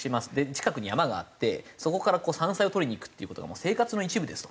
近くに山があってそこから山菜を採りに行くっていう事がもう生活の一部ですと。